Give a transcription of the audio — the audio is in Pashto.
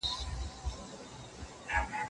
ایا هغې مخکې کله هم د چا درد حس کړی و؟